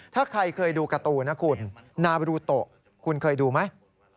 ถ้าใครเคยดูการ์ตูนนะคุณนาบรูโตะคุณเคยดูไหม